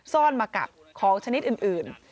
ซ่อนมากับของชนิดอื่น